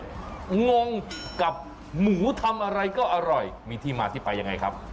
งงกับหมูทำอะไรก็อร่อยมีที่มาที่ไปยังไงครับ